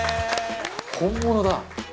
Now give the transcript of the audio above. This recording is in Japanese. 「本物だ。